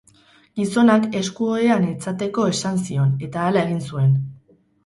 Gizonak esku-ohean etzateko esan zion eta hala egin zuen.